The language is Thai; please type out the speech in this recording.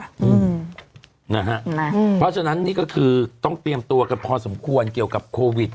เพราะฉะนั้นนี่ก็คือต้องเตรียมตัวกันพอสมควรเกี่ยวกับโควิด